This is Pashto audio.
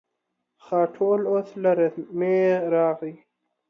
خاټول اوس له رمې راغی.